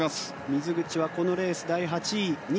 水口はこのレース第８位。